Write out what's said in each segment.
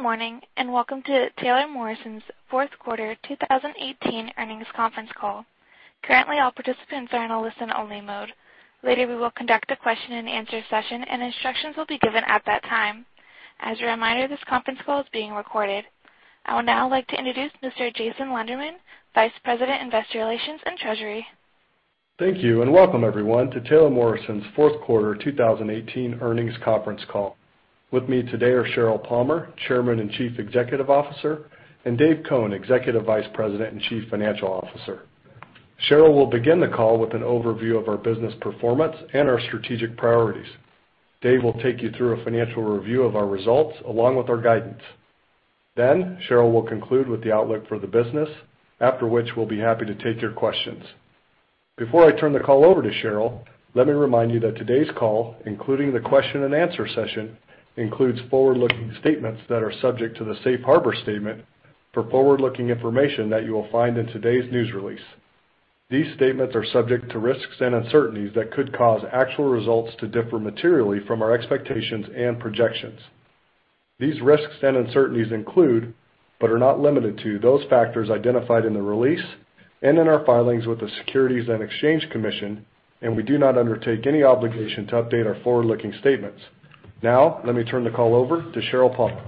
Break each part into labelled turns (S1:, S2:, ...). S1: Good morning and welcome to Taylor Morrison's fourth quarter 2018 earnings conference call. Currently, all participants are in a listen-only mode. Later, we will conduct a question-and-answer session, and instructions will be given at that time. As a reminder, this conference call is being recorded. I would now like to introduce Mr. Jason Lenderman, Vice President, Investor Relations and Treasury.
S2: Thank you and welcome, everyone, to Taylor Morrison's fourth quarter 2018 earnings conference call. With me today are Sheryl Palmer, Chairman and Chief Executive Officer, and Dave Cone, Executive Vice President and Chief Financial Officer. Sheryl will begin the call with an overview of our business performance and our strategic priorities. Dave will take you through a financial review of our results along with our guidance. Then, Sheryl will conclude with the outlook for the business, after which we'll be happy to take your questions. Before I turn the call over to Sheryl, let me remind you that today's call, including the question-and-answer session, includes forward-looking statements that are subject to the Safe Harbor Statement for forward-looking information that you will find in today's news release. These statements are subject to risks and uncertainties that could cause actual results to differ materially from our expectations and projections. These risks and uncertainties include, but are not limited to, those factors identified in the release and in our filings with the Securities and Exchange Commission, and we do not undertake any obligation to update our forward-looking statements. Now, let me turn the call over to Sheryl Palmer.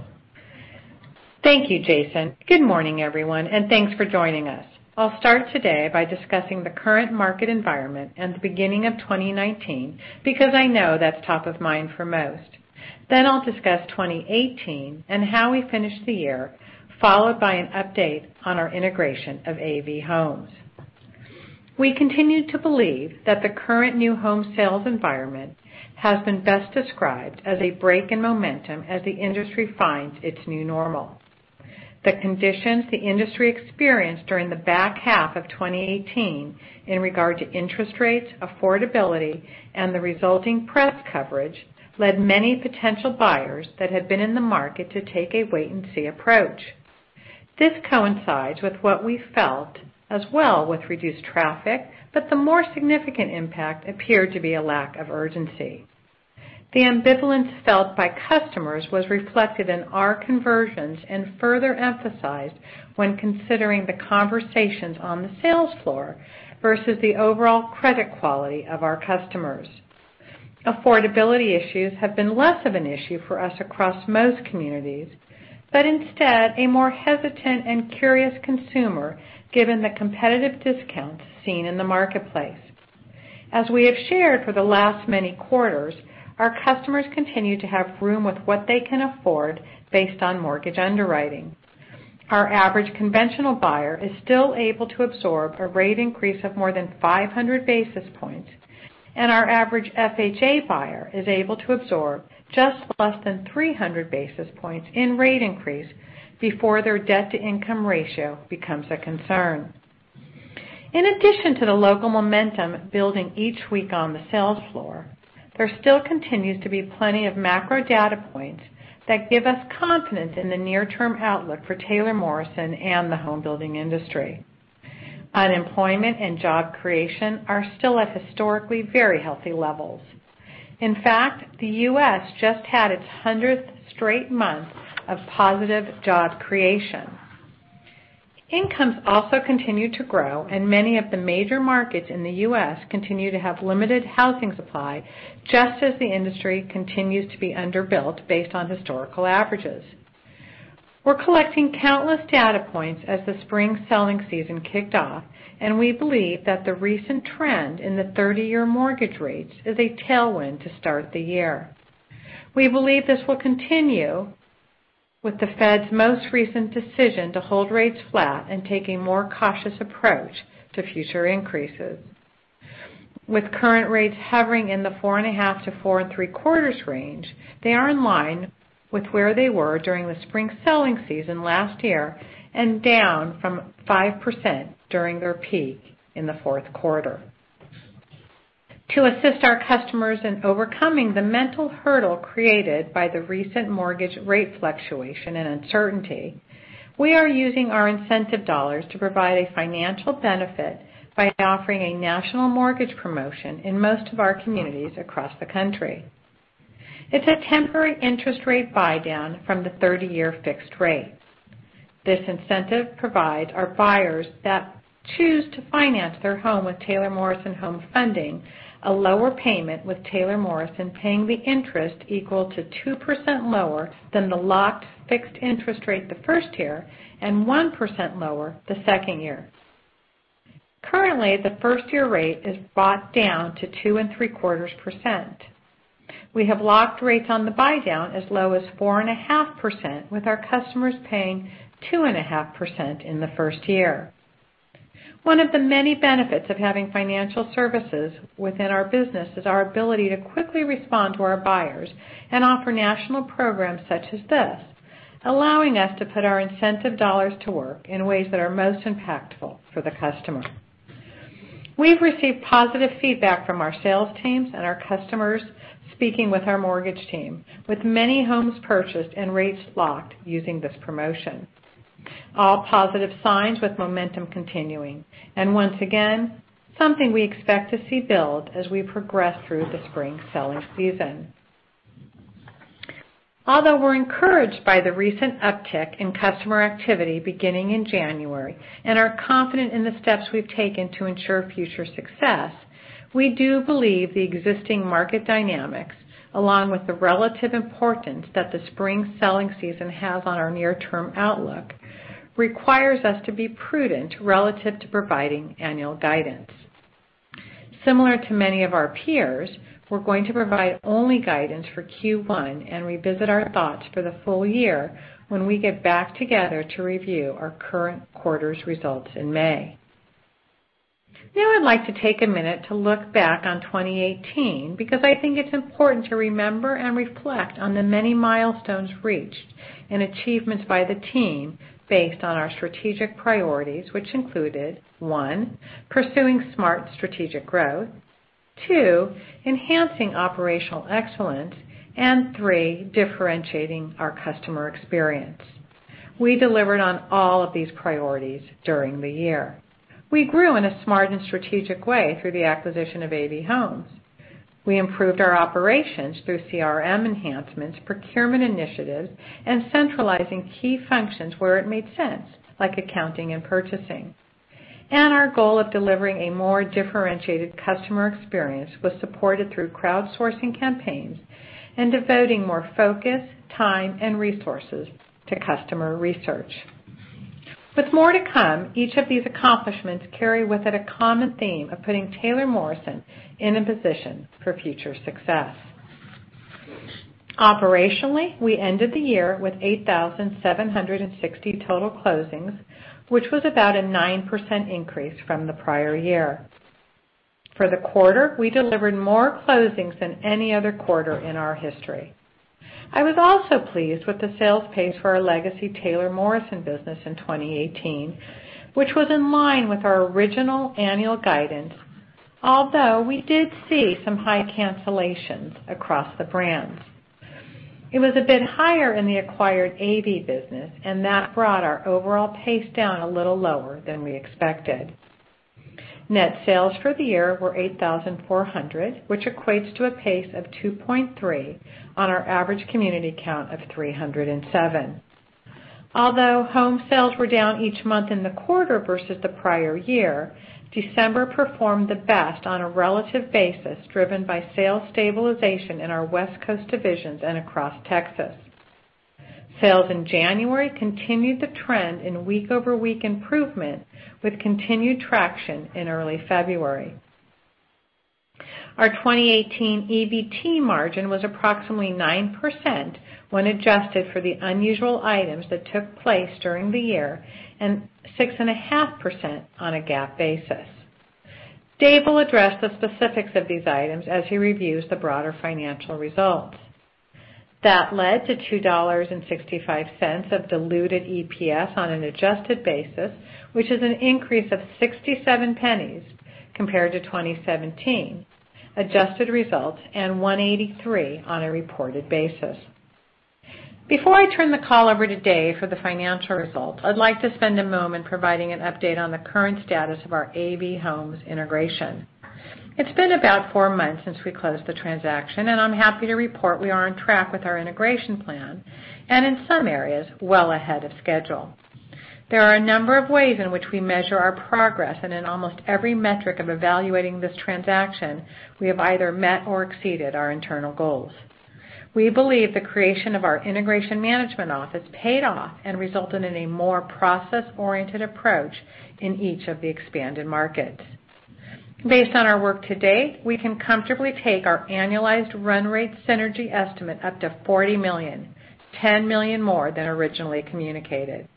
S3: Thank you, Jason. Good morning, everyone, and thanks for joining us. I'll start today by discussing the current market environment and the beginning of 2019 because I know that's top of mind for most. Then I'll discuss 2018 and how we finished the year, followed by an update on our integration of AV Homes. We continue to believe that the current new home sales environment has been best described as a break in momentum as the industry finds its new normal. The conditions the industry experienced during the back half of 2018 in regard to interest rates, affordability, and the resulting press coverage led many potential buyers that had been in the market to take a wait-and-see approach. This coincides with what we felt as well with reduced traffic, but the more significant impact appeared to be a lack of urgency. The ambivalence felt by customers was reflected in our conversions and further emphasized when considering the conversations on the sales floor versus the overall credit quality of our customers. Affordability issues have been less of an issue for us across most communities, but instead a more hesitant and curious consumer given the competitive discounts seen in the marketplace. As we have shared for the last many quarters, our customers continue to have room with what they can afford based on mortgage underwriting. Our average conventional buyer is still able to absorb a rate increase of more than 500 basis points, and our average FHA buyer is able to absorb just less than 300 basis points in rate increase before their debt-to-income ratio becomes a concern. In addition to the local momentum building each week on the sales floor, there still continues to be plenty of macro data points that give us confidence in the near-term outlook for Taylor Morrison and the home-building industry. Unemployment and job creation are still at historically very healthy levels. In fact, the U.S. just had its 100th straight month of positive job creation. Incomes also continue to grow, and many of the major markets in the U.S. continue to have limited housing supply just as the industry continues to be underbuilt based on historical averages. We're collecting countless data points as the spring selling season kicked off, and we believe that the recent trend in the 30-year mortgage rates is a tailwind to start the year. We believe this will continue with the Fed's most recent decision to hold rates flat and take a more cautious approach to future increases. With current rates hovering in the 4.5%-4.75% range, they are in line with where they were during the spring selling season last year and down from 5% during their peak in the fourth quarter. To assist our customers in overcoming the mental hurdle created by the recent mortgage rate fluctuation and uncertainty, we are using our incentive dollars to provide a financial benefit by offering a national mortgage promotion in most of our communities across the country. It's a temporary interest rate buy-down from the 30-year fixed rate. This incentive provides our buyers that choose to finance their home with Taylor Morrison Home Funding a lower payment, with Taylor Morrison paying the interest equal to 2% lower than the locked fixed interest rate the first year and 1% lower the second year. Currently, the first-year rate is brought down to 2.75%. We have locked rates on the buy-down as low as 4.5%, with our customers paying 2.5% in the first year. One of the many benefits of having financial services within our business is our ability to quickly respond to our buyers and offer national programs such as this, allowing us to put our incentive dollars to work in ways that are most impactful for the customer. We've received positive feedback from our sales teams and our customers speaking with our mortgage team, with many homes purchased and rates locked using this promotion. All positive signs with momentum continuing, and once again, something we expect to see build as we progress through the spring selling season. Although we're encouraged by the recent uptick in customer activity beginning in January and are confident in the steps we've taken to ensure future success, we do believe the existing market dynamics, along with the relative importance that the spring selling season has on our near-term outlook, requires us to be prudent relative to providing annual guidance. Similar to many of our peers, we're going to provide only guidance for Q1 and revisit our thoughts for the full year when we get back together to review our current quarter's results in May. Now, I'd like to take a minute to look back on 2018 because I think it's important to remember and reflect on the many milestones reached and achievements by the team based on our strategic priorities, which included: one, pursuing smart strategic growth; two, enhancing operational excellence; and three, differentiating our customer experience. We delivered on all of these priorities during the year. We grew in a smart and strategic way through the acquisition of AV Homes. We improved our operations through CRM enhancements, procurement initiatives, and centralizing key functions where it made sense, like accounting and purchasing. Our goal of delivering a more differentiated customer experience was supported through crowdsourcing campaigns and devoting more focus, time, and resources to customer research. With more to come, each of these accomplishments carries with it a common theme of putting Taylor Morrison in a position for future success. Operationally, we ended the year with 8,760 total closings, which was about a 9% increase from the prior year. For the quarter, we delivered more closings than any other quarter in our history. I was also pleased with the sales pace for our legacy Taylor Morrison business in 2018, which was in line with our original annual guidance, although we did see some high cancellations across the brands. It was a bit higher in the acquired AV business, and that brought our overall pace down a little lower than we expected. Net sales for the year were 8,400, which equates to a pace of 2.3 on our average community count of 307. Although home sales were down each month in the quarter versus the prior year, December performed the best on a relative basis driven by sales stabilization in our West Coast divisions and across Texas. Sales in January continued the trend in week-over-week improvement, with continued traction in early February. Our 2018 EBT margin was approximately 9% when adjusted for the unusual items that took place during the year and 6.5% on a GAAP basis. Dave will address the specifics of these items as he reviews the broader financial results. That led to $2.65 of diluted EPS on an adjusted basis, which is an increase of $0.67 compared to 2017 adjusted results and $1.83 on a reported basis. Before I turn the call over to Dave for the financial results, I'd like to spend a moment providing an update on the current status of our AV Homes integration. It's been about four months since we closed the transaction, and I'm happy to report we are on track with our integration plan and, in some areas, well ahead of schedule. There are a number of ways in which we measure our progress, and in almost every metric of evaluating this transaction, we have either met or exceeded our internal goals. We believe the creation of our integration management office paid off and resulted in a more process-oriented approach in each of the expanded markets. Based on our work to date, we can comfortably take our annualized run rate synergy estimate up to $40 million, $10 million more than originally communicated.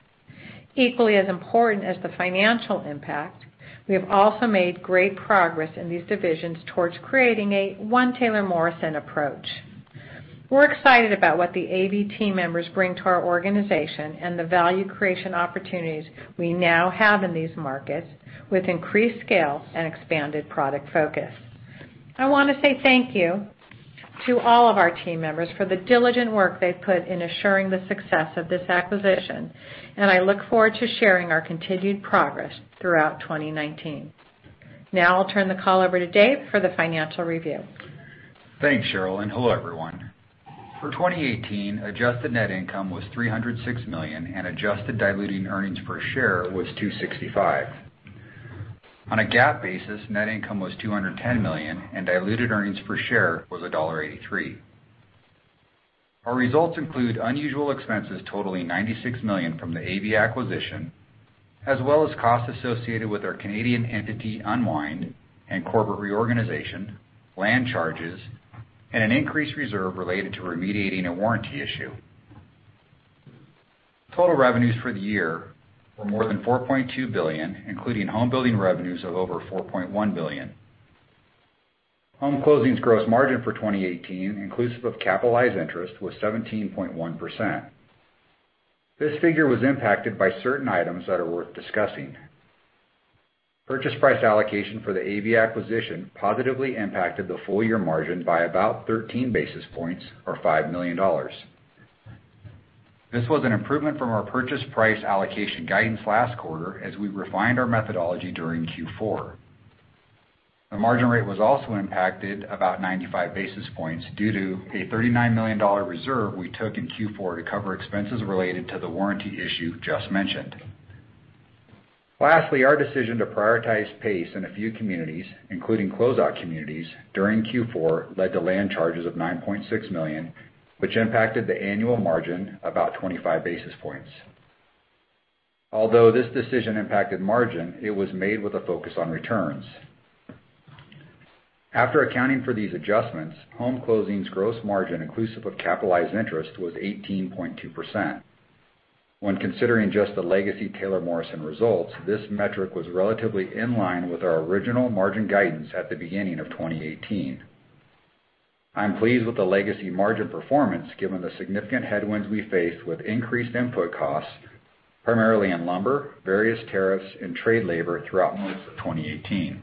S3: Equally as important as the financial impact, we have also made great progress in these divisions towards creating a one Taylor Morrison approach. We're excited about what the AV team members bring to our organization and the value creation opportunities we now have in these markets with increased scale and expanded product focus. I want to say thank you to all of our team members for the diligent work they've put in assuring the success of this acquisition, and I look forward to sharing our continued progress throughout 2019. Now, I'll turn the call over to Dave for the financial review.
S4: Thanks, Sheryl, and hello, everyone. For 2018, adjusted net income was $306 million, and adjusted diluted earnings per share was $2.65. On a GAAP basis, net income was $210 million, and diluted earnings per share was $1.83. Our results include unusual expenses totaling $96 million from the AV acquisition, as well as costs associated with our Canadian entity unwind and corporate reorganization, land charges, and an increased reserve related to remediating a warranty issue. Total revenues for the year were more than $4.2 billion, including home-building revenues of over $4.1 billion. Home closings gross margin for 2018, inclusive of capitalized interest, was 17.1%. This figure was impacted by certain items that are worth discussing. Purchase price allocation for the AV acquisition positively impacted the full-year margin by about 13 basis points, or $5 million. This was an improvement from our purchase price allocation guidance last quarter as we refined our methodology during Q4. The margin rate was also impacted about 95 basis points due to a $39 million reserve we took in Q4 to cover expenses related to the warranty issue just mentioned. Lastly, our decision to prioritize pace in a few communities, including closeout communities, during Q4 led to land charges of $9.6 million, which impacted the annual margin about 25 basis points. Although this decision impacted margin, it was made with a focus on returns. After accounting for these adjustments, home closings gross margin, inclusive of capitalized interest, was 18.2%. When considering just the legacy Taylor Morrison results, this metric was relatively in line with our original margin guidance at the beginning of 2018. I'm pleased with the legacy margin performance given the significant headwinds we faced with increased input costs, primarily in lumber, various tariffs, and trade labor throughout most of 2018.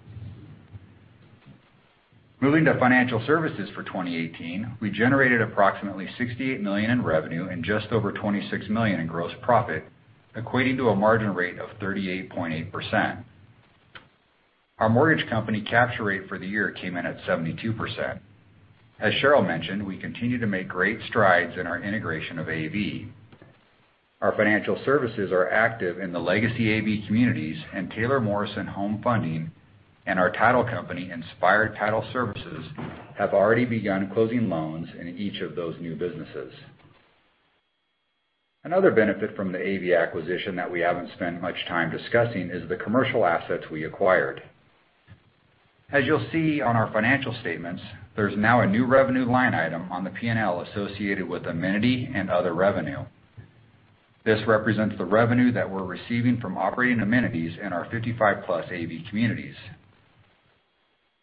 S4: Moving to financial services for 2018, we generated approximately $68 million in revenue and just over $26 million in gross profit, equating to a margin rate of 38.8%. Our mortgage company capture rate for the year came in at 72%. As Sheryl mentioned, we continue to make great strides in our integration of AV. Our financial services are active in the legacy AV communities and Taylor Morrison Home Funding, and our title company, Inspired Title Services, have already begun closing loans in each of those new businesses. Another benefit from the AV acquisition that we haven't spent much time discussing is the commercial assets we acquired. As you'll see on our financial statements, there's now a new revenue line item on the P&L associated with amenity and other revenue. This represents the revenue that we're receiving from operating amenities in our 55 Plus AV communities.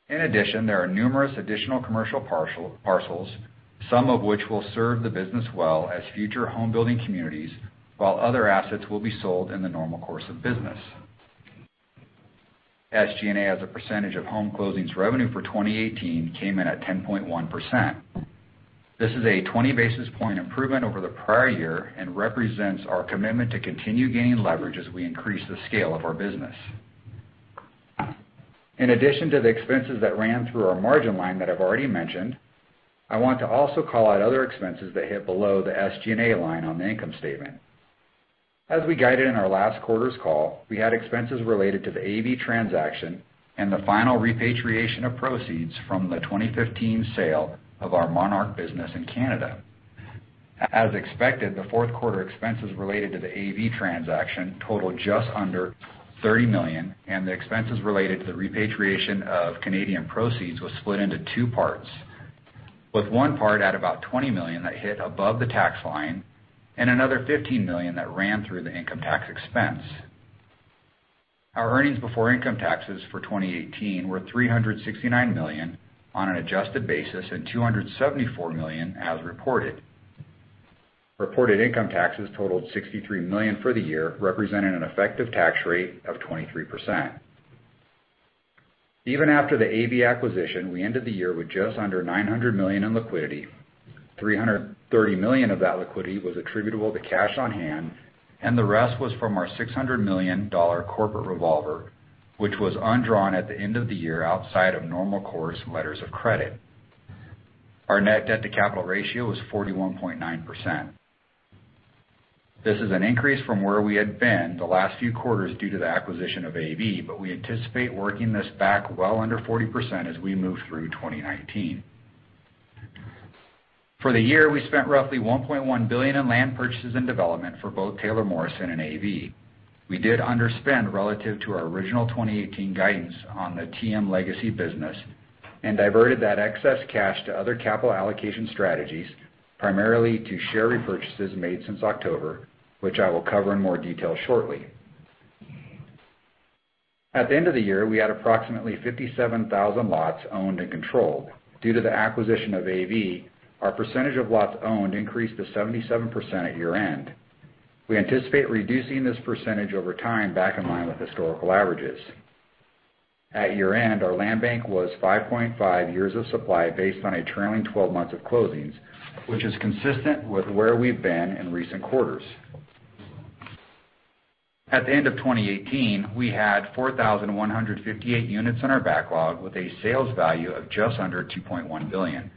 S4: In addition, there are numerous additional commercial parcels, some of which will serve the business well as future home-building communities, while other assets will be sold in the normal course of business. SG&A as a percentage of home closings revenue for 2018 came in at 10.1%. This is a 20 basis point improvement over the prior year and represents our commitment to continue gaining leverage as we increase the scale of our business. In addition to the expenses that ran through our margin line that I've already mentioned, I want to also call out other expenses that hit below the SG&A line on the income statement. As we guided in our last quarter's call, we had expenses related to the AV transaction and the final repatriation of proceeds from the 2015 sale of our Monarch business in Canada. As expected, the fourth quarter expenses related to the AV transaction totaled just under $30 million, and the expenses related to the repatriation of Canadian proceeds were split into two parts, with one part at about $20 million that hit above the tax line and another $15 million that ran through the income tax expense. Our earnings before income taxes for 2018 were $369 million on an adjusted basis and $274 million as reported. Reported income taxes totaled $63 million for the year, representing an effective tax rate of 23%. Even after the AV acquisition, we ended the year with just under $900 million in liquidity. $330 million of that liquidity was attributable to cash on hand, and the rest was from our $600 million corporate revolver, which was undrawn at the end of the year outside of normal course letters of credit. Our net debt-to-capital ratio was 41.9%. This is an increase from where we had been the last few quarters due to the acquisition of AV, but we anticipate working this back well under 40% as we move through 2019. For the year, we spent roughly $1.1 billion in land purchases and development for both Taylor Morrison and AV. We did underspend relative to our original 2018 guidance on the TM legacy business and diverted that excess cash to other capital allocation strategies, primarily to share repurchases made since October, which I will cover in more detail shortly. At the end of the year, we had approximately 57,000 lots owned and controlled. Due to the acquisition of AV, our percentage of lots owned increased to 77% at year-end. We anticipate reducing this percentage over time back in line with historical averages. At year-end, our land bank was 5.5 years of supply based on a trailing 12 months of closings, which is consistent with where we've been in recent quarters. At the end of 2018, we had 4,158 units in our backlog with a sales value of just under $2.1 billion.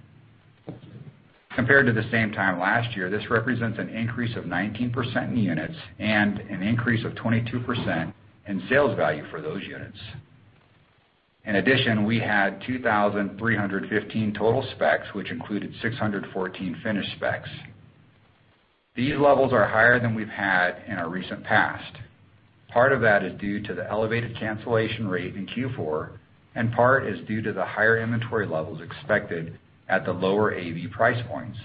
S4: Compared to the same time last year, this represents an increase of 19% in units and an increase of 22% in sales value for those units. In addition, we had 2,315 total specs, which included 614 finished specs. These levels are higher than we've had in our recent past. Part of that is due to the elevated cancellation rate in Q4, and part is due to the higher inventory levels expected at the lower AV price points.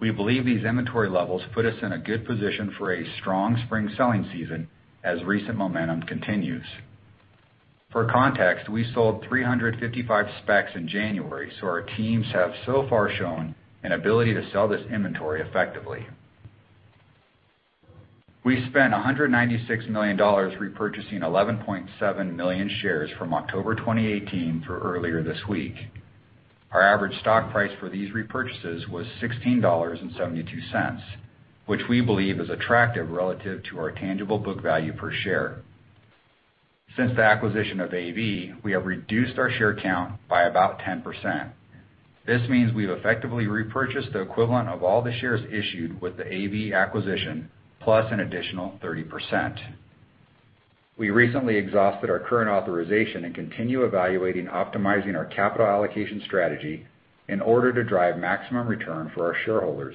S4: We believe these inventory levels put us in a good position for a strong spring selling season as recent momentum continues. For context, we sold 355 specs in January, so our teams have so far shown an ability to sell this inventory effectively. We spent $196 million repurchasing 11.7 million shares from October 2018 through earlier this week. Our average stock price for these repurchases was $16.72, which we believe is attractive relative to our tangible book value per share. Since the acquisition of AV, we have reduced our share count by about 10%. This means we've effectively repurchased the equivalent of all the shares issued with the AV acquisition, plus an additional 30%. We recently exhausted our current authorization and continue evaluating optimizing our capital allocation strategy in order to drive maximum return for our shareholders.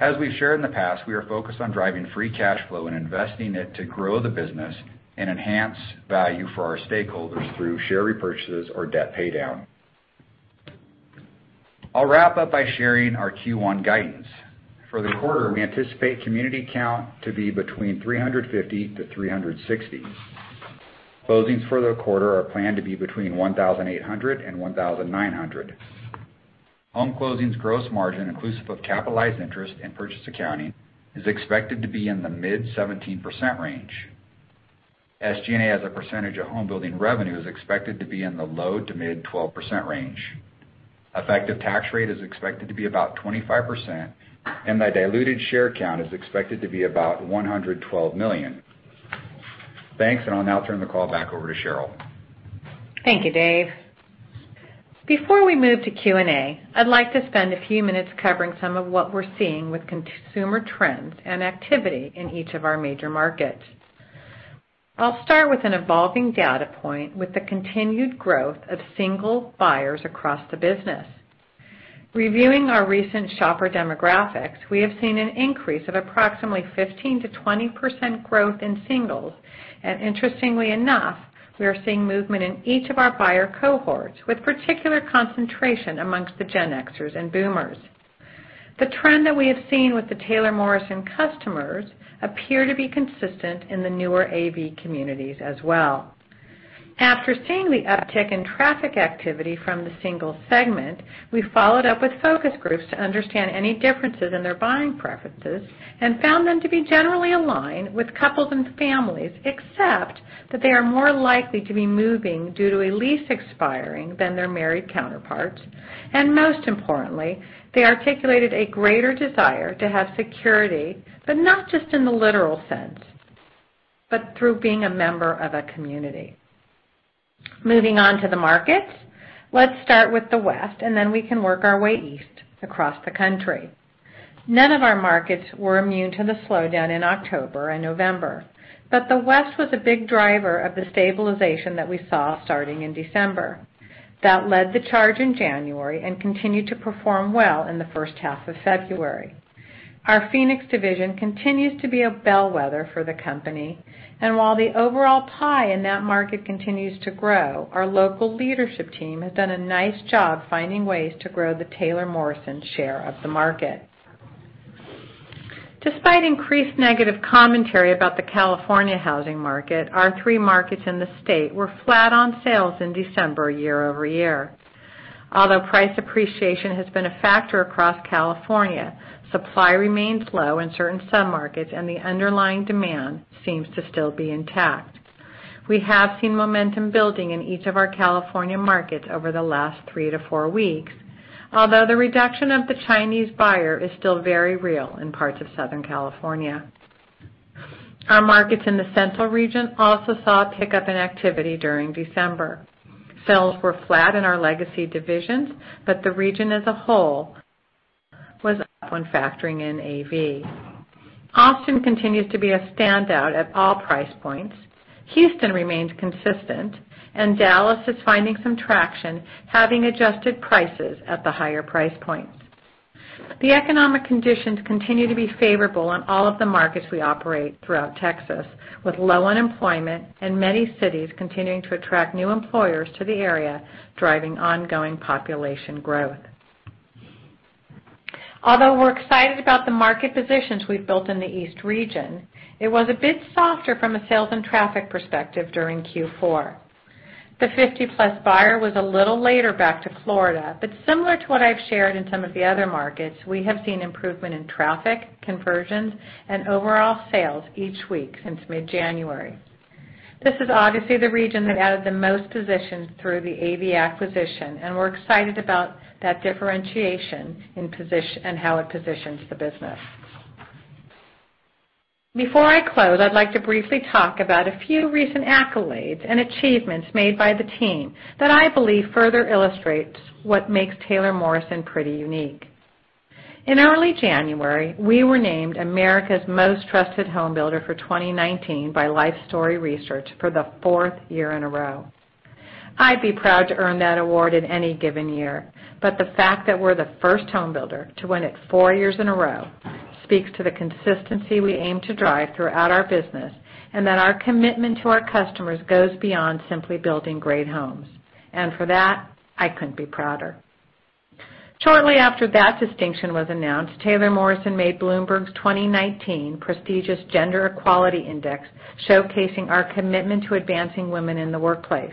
S4: As we've shared in the past, we are focused on driving free cash flow and investing it to grow the business and enhance value for our stakeholders through share repurchases or debt paydown. I'll wrap up by sharing our Q1 guidance. For the quarter, we anticipate community count to be between 350-360. Closings for the quarter are planned to be between 1,800 and 1,900. Home closings gross margin, inclusive of capitalized interest and purchase accounting, is expected to be in the mid-17% range. SG&A as a percentage of home-building revenue expected to be in the low to mid-12% range. Effective tax rate is expected to be about 25%, and the diluted share count is expected to be about 112 million. Thanks, and I'll now turn the call back over to Sheryl.
S3: Thank you, Dave. Before we move to Q&A, I'd like to spend a few minutes covering some of what we're seeing with consumer trends and activity in each of our major markets. I'll start with an evolving data point with the continued growth of single buyers across the business. Reviewing our recent shopper demographics, we have seen an increase of approximately 15%-20% growth in singles, and interestingly enough, we are seeing movement in each of our buyer cohorts with particular concentration amongst the Gen X-ers and Boomers. The trend that we have seen with the Taylor Morrison customers appears to be consistent in the newer AV communities as well. After seeing the uptick in traffic activity from the single segment, we followed up with focus groups to understand any differences in their buying preferences and found them to be generally aligned with couples and families, except that they are more likely to be moving due to a lease expiring than their married counterparts, and most importantly, they articulated a greater desire to have security, but not just in the literal sense, but through being a member of a community. Moving on to the markets, let's start with the West, and then we can work our way East across the country. None of our markets were immune to the slowdown in October and November, but the West was a big driver of the stabilization that we saw starting in December. That led the charge in January and continued to perform well in the first half of February. Our Phoenix division continues to be a bellwether for the company, and while the overall pie in that market continues to grow, our local leadership team has done a nice job finding ways to grow the Taylor Morrison share of the market. Despite increased negative commentary about the California housing market, our three markets in the state were flat on sales in December year over year. Although price appreciation has been a factor across California, supply remains low in certain submarkets, and the underlying demand seems to still be intact. We have seen momentum building in each of our California markets over the last three to four weeks, although the reduction of the Chinese buyer is still very real in parts of Southern California. Our markets in the Central region also saw a pickup in activity during December. Sales were flat in our legacy divisions, but the region as a whole was up when factoring in AV. Austin continues to be a standout at all price points. Houston remains consistent, and Dallas is finding some traction, having adjusted prices at the higher price points. The economic conditions continue to be favorable in all of the markets we operate throughout Texas, with low unemployment and many cities continuing to attract new employers to the area, driving ongoing population growth. Although we're excited about the market positions we've built in the East region, it was a bit softer from a sales and traffic perspective during Q4. The 55 Plus buyer was a little later back to Florida, but similar to what I've shared in some of the other markets, we have seen improvement in traffic, conversions, and overall sales each week since mid-January. This is obviously the region that added the most positions through the AV acquisition, and we're excited about that differentiation and how it positions the business. Before I close, I'd like to briefly talk about a few recent accolades and achievements made by the team that I believe further illustrate what makes Taylor Morrison pretty unique. In early January, we were named America's Most Trusted Home Builder for 2019 by Lifestory Research for the fourth year in a row. I'd be proud to earn that award in any given year, but the fact that we're the first homebuilder to win it four years in a row speaks to the consistency we aim to drive throughout our business and that our commitment to our customers goes beyond simply building great homes, and for that, I couldn't be prouder. Shortly after that distinction was announced, Taylor Morrison made Bloomberg's 2019 prestigious Gender Equality Index showcasing our commitment to advancing women in the workplace.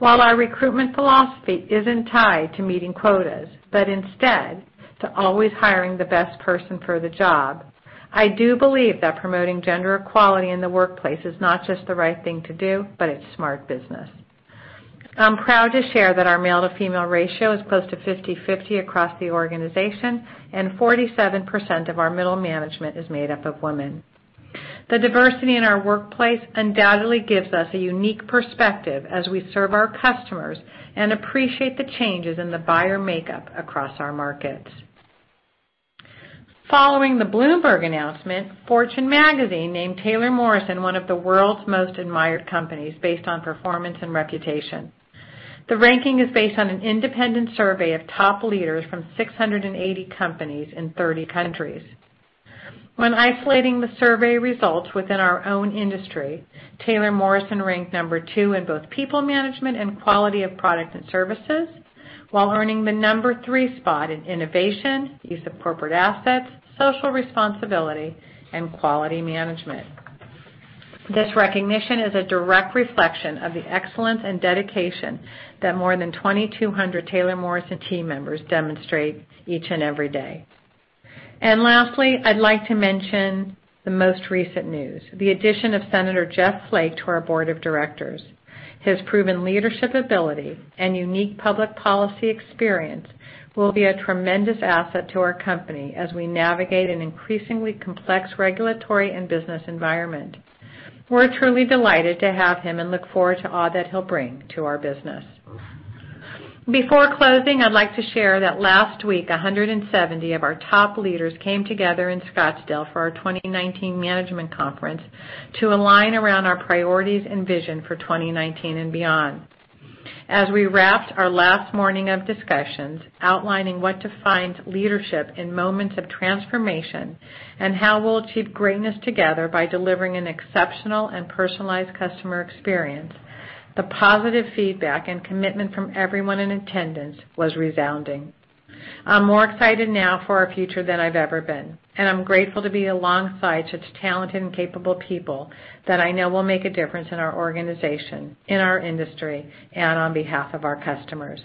S3: While our recruitment philosophy isn't tied to meeting quotas, but instead to always hiring the best person for the job, I do believe that promoting gender equality in the workplace is not just the right thing to do, but it's smart business. I'm proud to share that our male-to-female ratio is close to 50:50 across the organization, and 47% of our middle management is made up of women. The diversity in our workplace undoubtedly gives us a unique perspective as we serve our customers and appreciate the changes in the buyer makeup across our markets. Following the Bloomberg announcement, Fortune Magazine named Taylor Morrison one of the World's Most Admired Companies based on performance and reputation. The ranking is based on an independent survey of top leaders from 680 companies in 30 countries. When isolating the survey results within our own industry, Taylor Morrison ranked number two in both people management and quality of product and services, while earning the number three spot in innovation, use of corporate assets, social responsibility, and quality management. This recognition is a direct reflection of the excellence and dedication that more than 2,200 Taylor Morrison team members demonstrate each and every day. And lastly, I'd like to mention the most recent news. The addition of Senator Jeff Flake to our board of directors, his proven leadership ability, and unique public policy experience will be a tremendous asset to our company as we navigate an increasingly complex regulatory and business environment. We're truly delighted to have him and look forward to all that he'll bring to our business. Before closing, I'd like to share that last week, 170 of our top leaders came together in Scottsdale for our 2019 management conference to align around our priorities and vision for 2019 and beyond. As we wrapped our last morning of discussions outlining what defines leadership in moments of transformation and how we'll achieve greatness together by delivering an exceptional and personalized customer experience, the positive feedback and commitment from everyone in attendance was resounding. I'm more excited now for our future than I've ever been, and I'm grateful to be alongside such talented and capable people that I know will make a difference in our organization, in our industry, and on behalf of our customers.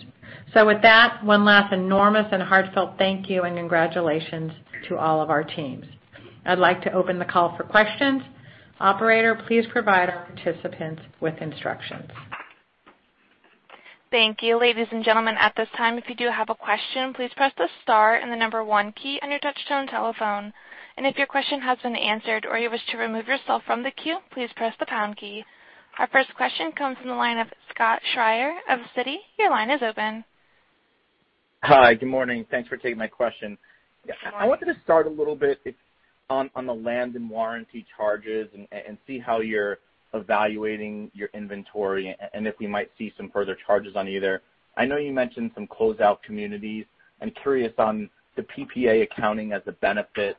S3: So with that, one last enormous and heartfelt thank you and congratulations to all of our teams. I'd like to open the call for questions. Operator, please provide our participants with instructions.
S1: Thank you. Ladies and gentlemen, at this time, if you do have a question, please press the star and the number one key on your touch-tone telephone. And if your question has been answered or you wish to remove yourself from the queue, please press the pound key. Our first question comes from the line of Scott Schrier of Citi. Your line is open.
S5: Hi, good morning. Thanks for taking my question. I wanted to start a little bit on the land and warranty charges and see how you're evaluating your inventory and if we might see some further charges on either. I know you mentioned some closeout communities. I'm curious on the PPA accounting as a benefit.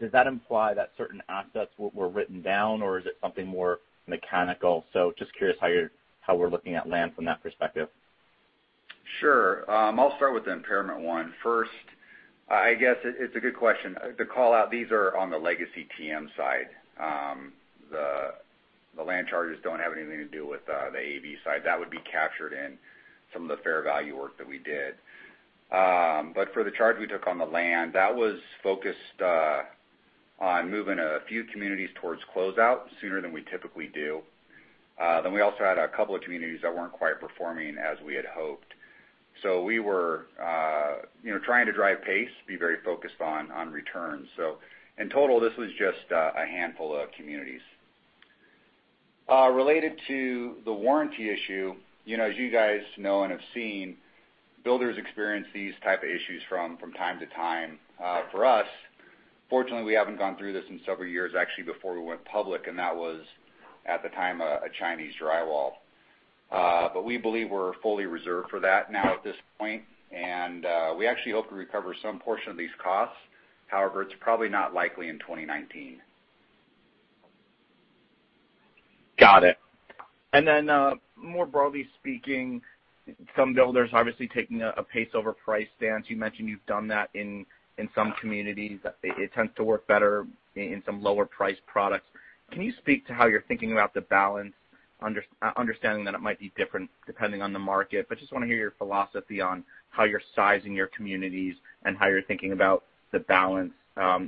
S5: Does that imply that certain assets were written down, or is it something more mechanical? So just curious how we're looking at land from that perspective.
S4: Sure. I'll start with the impairment one first. I guess it's a good question to call out. These are on the legacy TM side. The land charges don't have anything to do with the AV side. That would be captured in some of the fair value work that we did. But for the charge we took on the land, that was focused on moving a few communities towards closeout sooner than we typically do. Then we also had a couple of communities that weren't quite performing as we had hoped. So we were trying to drive pace, be very focused on returns. So in total, this was just a handful of communities. Related to the warranty issue, as you guys know and have seen, builders experience these types of issues from time to time. For us, fortunately, we haven't gone through this in several years actually before we went public, and that was at the time a Chinese drywall. But we believe we're fully reserved for that now at this point, and we actually hope to recover some portion of these costs. However, it's probably not likely in 2019.
S5: Got it. And then more broadly speaking, some builders obviously taking a pace over price stance. You mentioned you've done that in some communities. It tends to work better in some lower-priced products. Can you speak to how you're thinking about the balance, understanding that it might be different depending on the market? But just want to hear your philosophy on how you're sizing your communities and how you're thinking about the balance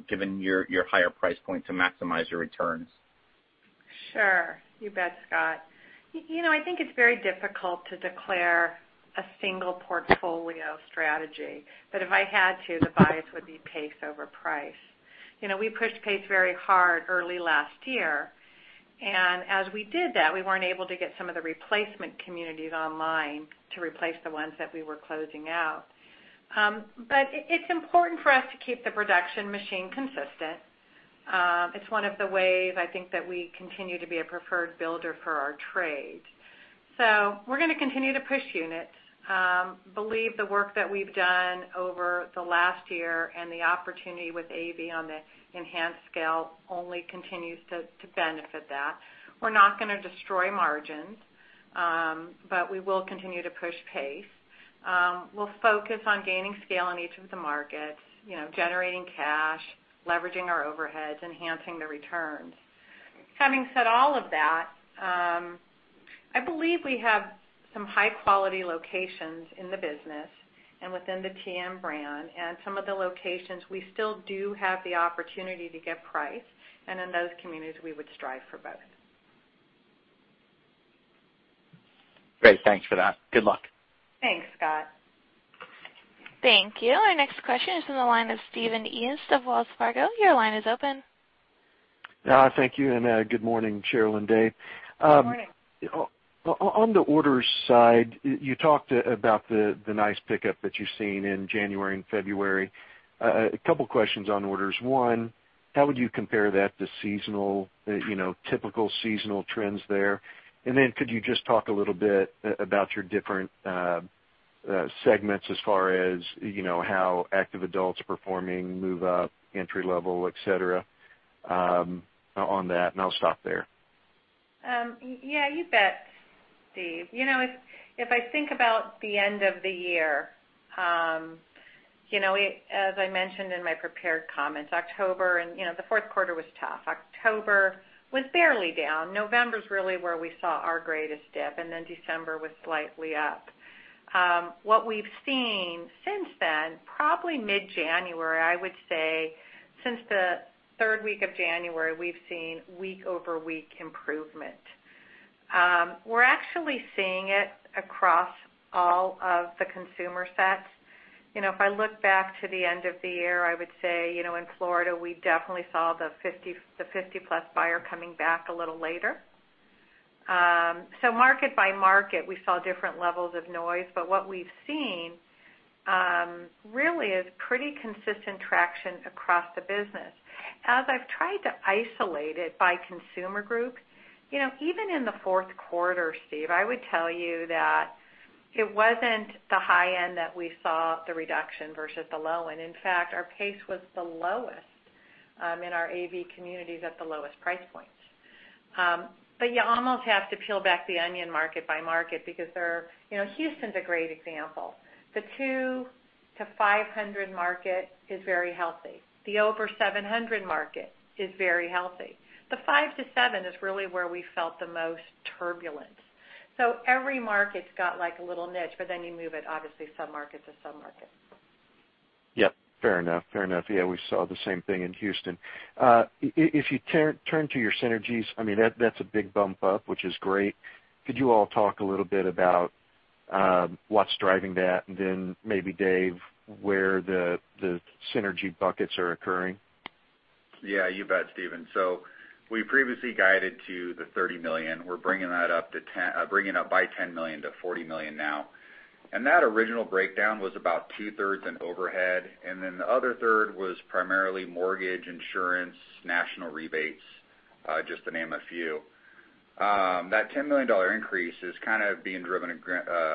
S5: given your higher price point to maximize your returns.
S3: Sure. You bet, Scott. I think it's very difficult to declare a single portfolio strategy, but if I had to, the bias would be pace over price. We pushed pace very hard early last year, and as we did that, we weren't able to get some of the replacement communities online to replace the ones that we were closing out. But it's important for us to keep the production machine consistent. It's one of the ways I think that we continue to be a preferred builder for our trade. So we're going to continue to push units. Believe the work that we've done over the last year and the opportunity with AV on the enhanced scale only continues to benefit that. We're not going to destroy margins, but we will continue to push pace. We'll focus on gaining scale in each of the markets, generating cash, leveraging our overheads, enhancing the returns. Having said all of that, I believe we have some high-quality locations in the business and within the TM brand, and some of the locations we still do have the opportunity to get price, and in those communities, we would strive for both.
S5: Great. Thanks for that. Good luck.
S3: Thanks, Scott.
S1: Thank you. Our next question is from the line of Stephen East of Wells Fargo. Your line is open.
S6: Thank you, and good morning, Sheryl and Dave. On the orders side, you talked about the nice pickup that you've seen in January and February. A couple of questions on orders. One, how would you compare that to typical seasonal trends there? And then could you just talk a little bit about your different segments as far as how active adults performing, move up, entry level, etc., on that? And I'll stop there.
S3: Yeah, you bet, Steve. If I think about the end of the year, as I mentioned in my prepared comments, October and the fourth quarter was tough. October was barely down. November is really where we saw our greatest dip, and then December was slightly up. What we've seen since then, probably mid-January, I would say since the third week of January, we've seen week-over-week improvement. We're actually seeing it across all of the consumer sets. If I look back to the end of the year, I would say in Florida, we definitely saw the 50-plus buyer coming back a little later. So market by market, we saw different levels of noise, but what we've seen really is pretty consistent traction across the business. As I've tried to isolate it by consumer group, even in the fourth quarter, Steve, I would tell you that it wasn't the high end that we saw the reduction versus the low end. In fact, our pace was the lowest in our AV communities at the lowest price points. But you almost have to peel back the onion market by market because Houston's a great example. The $200,000-$500,000 market is very healthy. The over $700,000 market is very healthy. The $500,000-$700,000 is really where we felt the most turbulence. So every market's got a little niche, but then you move it, obviously, sub-market to sub-market.
S6: Yep. Fair enough. Fair enough. Yeah, we saw the same thing in Houston. If you turn to your synergies, I mean, that's a big bump up, which is great. Could you all talk a little bit about what's driving that? And then maybe Dave, where the synergy buckets are occurring?
S4: Yeah, you bet, Stephen. So we previously guided to the $30 million. We're bringing that up by $10 million-$40 million now. And that original breakdown was about two-thirds in overhead, and then the other third was primarily mortgage, insurance, national rebates, just to name a few. That $10 million increase is kind of being driven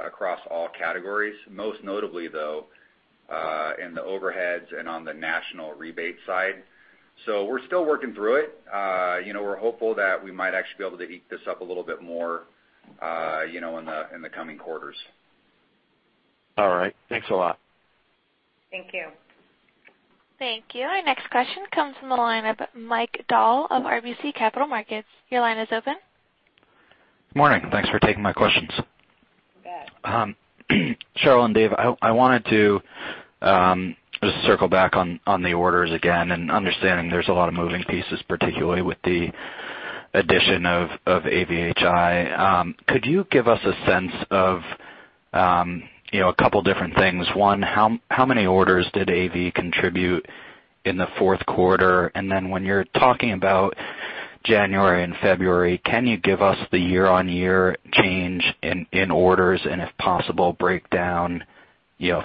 S4: across all categories, most notably though in the overheads and on the national rebate side. So we're still working through it. We're hopeful that we might actually be able to eke this up a little bit more in the coming quarters.
S6: All right. Thanks a lot.
S3: Thank you.
S1: Thank you. Our next question comes from the line of Mike Dahl of RBC Capital Markets. Your line is open.
S7: Good morning. Thanks for taking my questions. Sheryl and Dave, I wanted to just circle back on the orders again and understanding there's a lot of moving pieces, particularly with the addition of AVHI. Could you give us a sense of a couple of different things? One, how many orders did AV contribute in the fourth quarter? And then when you're talking about January and February, can you give us the year-on-year change in orders and, if possible, breakdown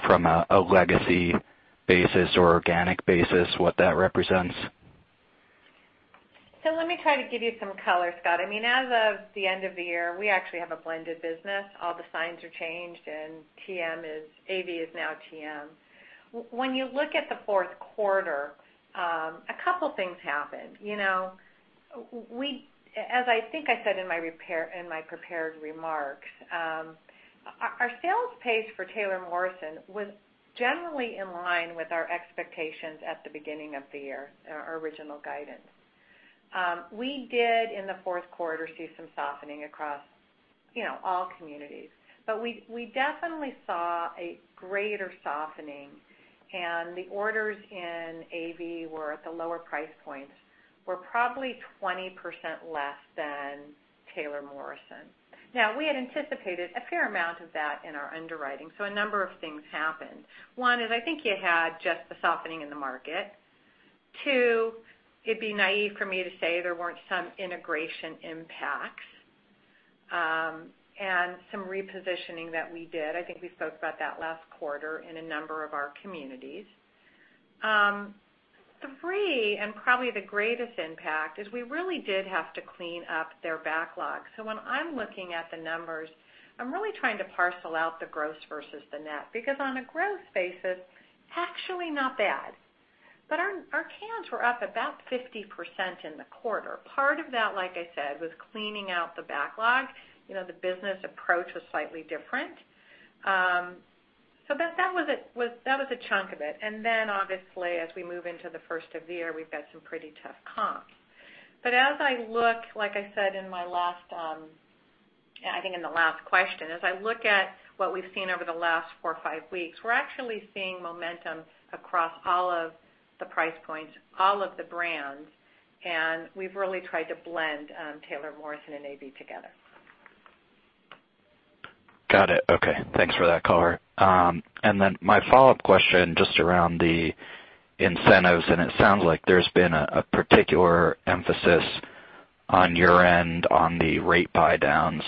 S7: from a legacy basis or organic basis, what that represents?
S3: So let me try to give you some color, Scott. I mean, as of the end of the year, we actually have a blended business. All the signs are changed, and AV is now TM. When you look at the fourth quarter, a couple of things happened. As I think I said in my prepared remarks, our sales pace for Taylor Morrison was generally in line with our expectations at the beginning of the year, our original guidance. We did, in the fourth quarter, see some softening across all communities, but we definitely saw a greater softening, and the orders in AV were at the lower price points. We're probably 20% less than Taylor Morrison. Now, we had anticipated a fair amount of that in our underwriting, so a number of things happened. One is I think you had just the softening in the market. Two, it'd be naive for me to say there weren't some integration impacts and some repositioning that we did. I think we spoke about that last quarter in a number of our communities. Three, and probably the greatest impact, is we really did have to clean up their backlog. So when I'm looking at the numbers, I'm really trying to parcel out the gross versus the net because on a gross basis, actually not bad. But our cans were up about 50% in the quarter. Part of that, like I said, was cleaning out the backlog. The business approach was slightly different. So that was a chunk of it. And then, obviously, as we move into the first of the year, we've got some pretty tough comps. As I look, like I said in my last, I think in the last question, as I look at what we've seen over the last four or five weeks, we're actually seeing momentum across all of the price points, all of the brands, and we've really tried to blend Taylor Morrison and AV together.
S7: Got it. Okay. Thanks for that color, and then my follow-up question just around the incentives, and it sounds like there's been a particular emphasis on your end on the rate buy-downs,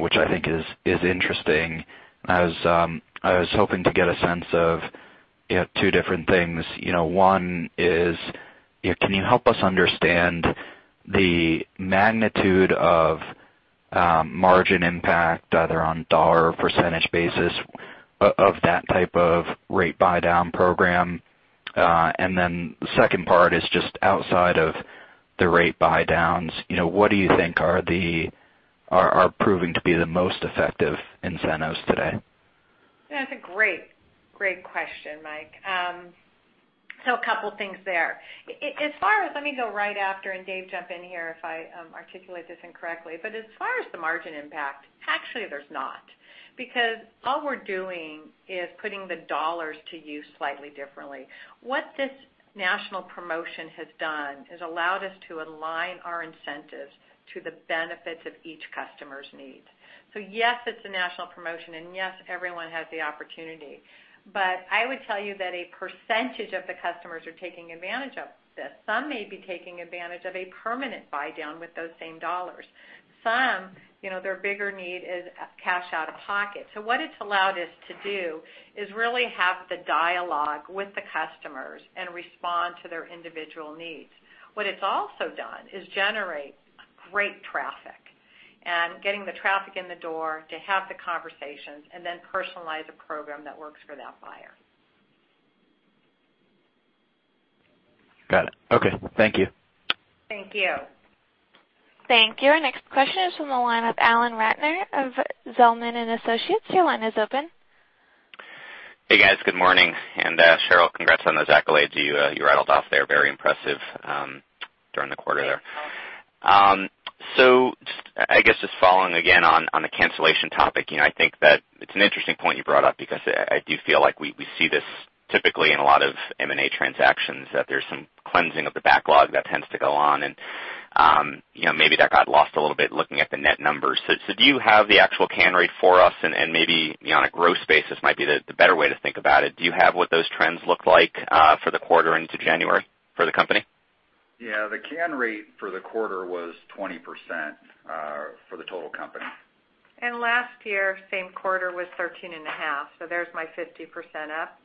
S7: which I think is interesting. I was hoping to get a sense of two different things. One is, can you help us understand the magnitude of margin impact, either on dollar or percentage basis, of that type of rate buy-down program? And then the second part is just outside of the rate buy-downs, what do you think are proving to be the most effective incentives today?
S3: That's a great, great question, Mike. So a couple of things there. Let me go right after, and Dave jump in here if I articulate this incorrectly. But as far as the margin impact, actually, there's not because all we're doing is putting the dollars to use slightly differently. What this national promotion has done is allowed us to align our incentives to the benefits of each customer's needs. So yes, it's a national promotion, and yes, everyone has the opportunity. But I would tell you that a percentage of the customers are taking advantage of this. Some may be taking advantage of a permanent buy-down with those same dollars. Some, their bigger need is cash out of pocket. So what it's allowed us to do is really have the dialogue with the customers and respond to their individual needs. What it's also done is generate great traffic and getting the traffic in the door to have the conversations and then personalize a program that works for that buyer.
S7: Got it. Okay. Thank you.
S3: Thank you.
S1: Thank you. Our next question is from the line of Alan Ratner of Zelman & Associates. Your line is open.
S8: Hey, guys. Good morning. And Sheryl, congrats on those accolades you rattled off there, very impressive during the quarter there. So I guess just following again on the cancellation topic, I think that it's an interesting point you brought up because I do feel like we see this typically in a lot of M&A transactions that there's some cleansing of the backlog that tends to go on, and maybe that got lost a little bit looking at the net numbers. So do you have the actual can rate for us? And maybe on a gross basis might be the better way to think about it. Do you have what those trends look like for the quarter into January for the company?
S4: Yeah. The can rate for the quarter was 20% for the total company.
S3: Last year, same quarter was 13.5%. So there's my 50% up.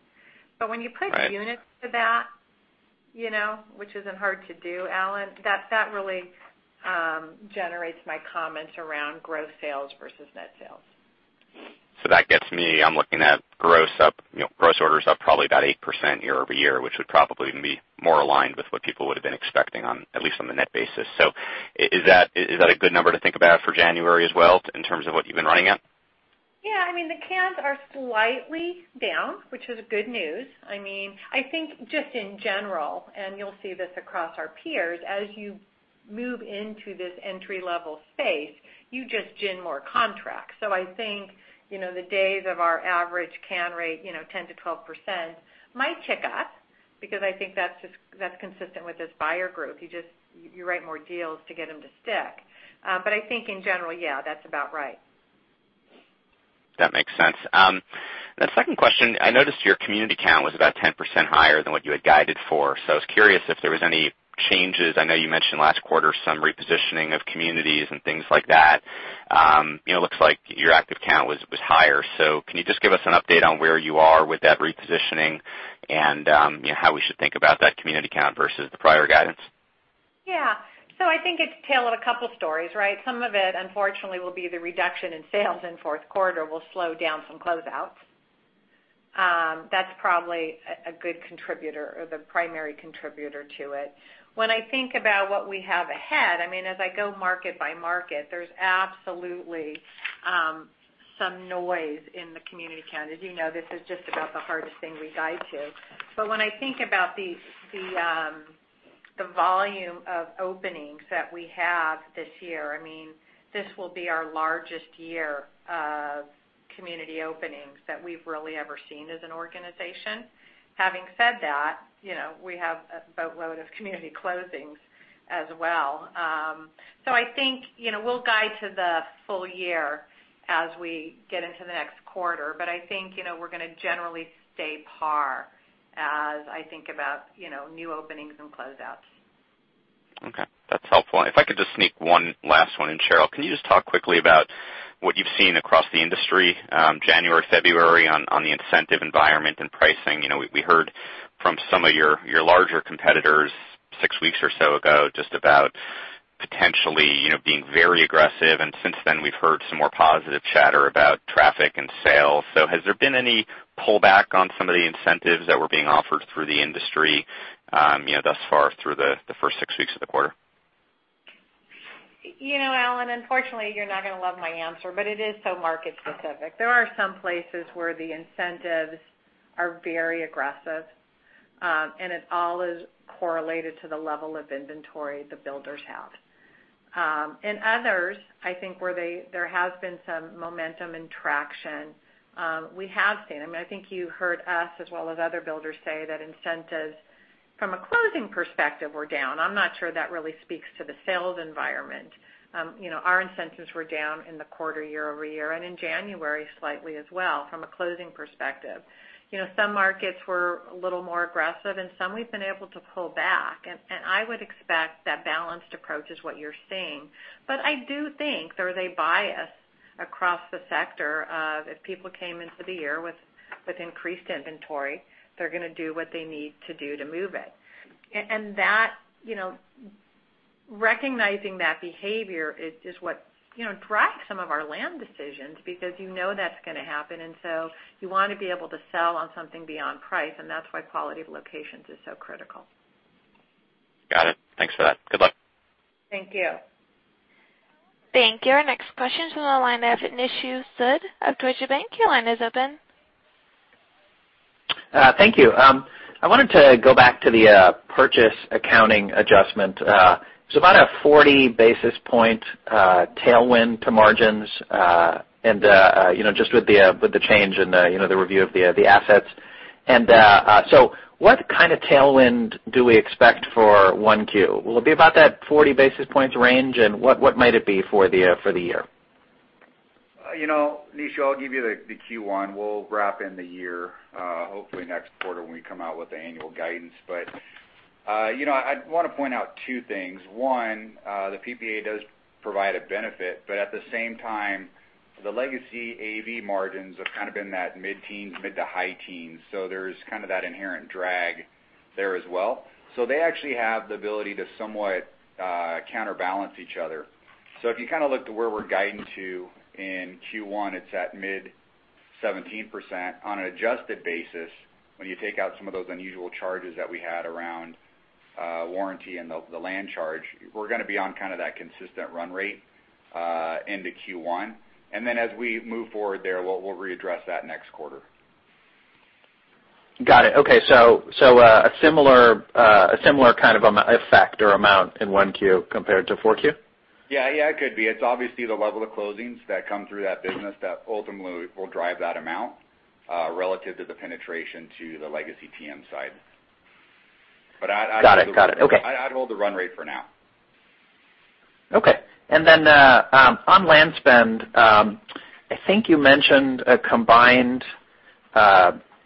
S3: But when you put units to that, which isn't hard to do, Alan, that really generates my comments around gross sales versus net sales.
S8: So that gets me. I'm looking at gross orders up probably about 8% year over year, which would probably be more aligned with what people would have been expecting, at least on the net basis. So is that a good number to think about for January as well in terms of what you've been running at?
S3: Yeah. I mean, the cans are slightly down, which is good news. I mean, I think just in general, and you'll see this across our peers, as you move into this entry-level space, you just generate more contracts. So I think the days of our average can rate, 10%-12%, might tick up because I think that's consistent with this buyer group. You write more deals to get them to stick. But I think in general, yeah, that's about right.
S8: That makes sense. The second question, I noticed your community count was about 10% higher than what you had guided for. So I was curious if there was any changes. I know you mentioned last quarter some repositioning of communities and things like that. It looks like your active count was higher. So can you just give us an update on where you are with that repositioning and how we should think about that community count versus the prior guidance?
S3: Yeah. So I think it's a tale of a couple of stories, right? Some of it, unfortunately, will be the reduction in sales in fourth quarter will slow down some closeouts. That's probably a good contributor or the primary contributor to it. When I think about what we have ahead, I mean, as I go market by market, there's absolutely some noise in the community count. As you know, this is just about the hardest thing we guide to. But when I think about the volume of openings that we have this year, I mean, this will be our largest year of community openings that we've really ever seen as an organization. Having said that, we have a boatload of community closings as well. So, I think we'll guide to the full year as we get into the next quarter, but I think we're going to generally stay par as I think about new openings and closeouts.
S8: Okay. That's helpful. If I could just sneak one last one in, Sheryl, can you just talk quickly about what you've seen across the industry January, February on the incentive environment and pricing? We heard from some of your larger competitors six weeks or so ago just about potentially being very aggressive. And since then, we've heard some more positive chatter about traffic and sales. So has there been any pullback on some of the incentives that were being offered through the industry thus far through the first six weeks of the quarter?
S3: Alan, unfortunately, you're not going to love my answer, but it is so market-specific. There are some places where the incentives are very aggressive, and it all is correlated to the level of inventory the builders have. In others, I think where there has been some momentum and traction, we have seen. I mean, I think you heard us as well as other builders say that incentives from a closing perspective were down. I'm not sure that really speaks to the sales environment. Our incentives were down in the quarter year over year and in January slightly as well from a closing perspective. Some markets were a little more aggressive, and some we've been able to pull back, and I would expect that balanced approach is what you're seeing. But I do think there is a bias across the sector of if people came into the year with increased inventory, they're going to do what they need to do to move it. And recognizing that behavior is what drives some of our land decisions because you know that's going to happen. And so you want to be able to sell on something beyond price, and that's why quality of locations is so critical.
S8: Got it. Thanks for that. Good luck.
S3: Thank you.
S1: Thank you. Our next question is from the line of Nishu Sood of Deutsche Bank. Your line is open.
S9: Thank you. I wanted to go back to the purchase accounting adjustment. It was about a 40 basis point tailwind to margins and just with the change and the review of the assets, and so what kind of tailwind do we expect for 1Q? Will it be about that 40 basis point range, and what might it be for the year?
S4: Nishu, I'll give you the Q1. We'll wrap in the year, hopefully next quarter when we come out with the annual guidance. But I want to point out two things. One, the PPA does provide a benefit, but at the same time, the legacy AV margins have kind of been that mid-teens, mid to high-teens. So there's kind of that inherent drag there as well. So they actually have the ability to somewhat counterbalance each other. So if you kind of look at where we're guiding to in Q1, it's at mid-17%. On an adjusted basis, when you take out some of those unusual charges that we had around warranty and the land charge, we're going to be on kind of that consistent run rate into Q1. And then as we move forward there, we'll readdress that next quarter.
S9: Got it. Okay. So a similar kind of effect or amount in 1Q compared to 4Q?
S4: Yeah. Yeah, it could be. It's obviously the level of closings that come through that business that ultimately will drive that amount relative to the penetration to the legacy TM side. But I'd hold the run rate for now.
S9: Okay. And then on land spend, I think you mentioned a combined AV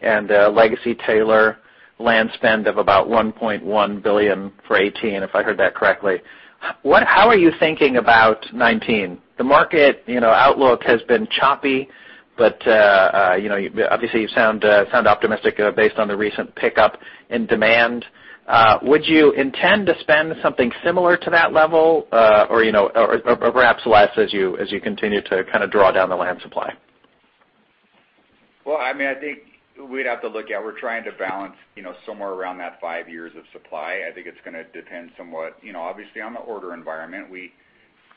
S9: and legacy Taylor land spend of about $1.1 billion for 2018, if I heard that correctly. How are you thinking about 2019? The market outlook has been choppy, but obviously, you sound optimistic based on the recent pickup in demand. Would you intend to spend something similar to that level or perhaps less as you continue to kind of draw down the land supply?
S4: I mean, I think we'd have to look at, we're trying to balance somewhere around that five years of supply. I think it's going to depend somewhat, obviously, on the order environment.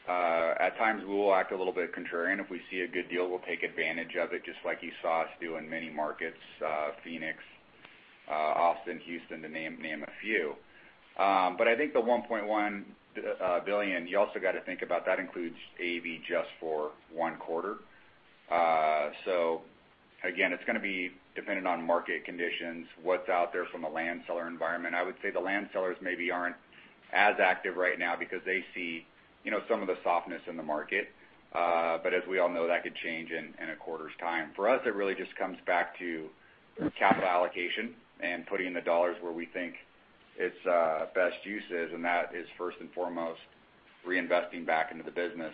S4: At times, we will act a little bit contrarian. If we see a good deal, we'll take advantage of it just like you saw us do in many markets: Phoenix, Austin, Houston, to name a few. But I think the $1.1 billion, you also got to think about that includes AV just for one quarter. So again, it's going to be dependent on market conditions, what's out there from the land seller environment. I would say the land sellers maybe aren't as active right now because they see some of the softness in the market. But as we all know, that could change in a quarter's time. For us, it really just comes back to capital allocation and putting the dollars where we think it's best use is. And that is first and foremost reinvesting back into the business.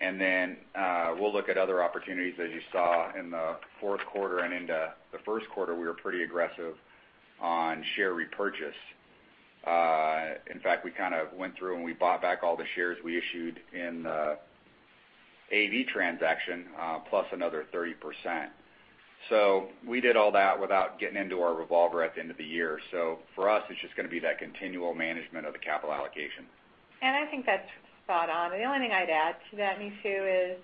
S4: And then we'll look at other opportunities. As you saw in the fourth quarter and into the first quarter, we were pretty aggressive on share repurchase. In fact, we kind of went through and we bought back all the shares we issued in the AV transaction, plus another 30%. So we did all that without getting into our revolver at the end of the year. So for us, it's just going to be that continual management of the capital allocation.
S3: And I think that's spot on. And the only thing I'd add to that, Nishu, is